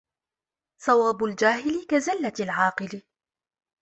صواب الجاهل كزلة العاقل